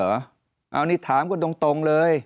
อันนี้ถามกันตรงเลย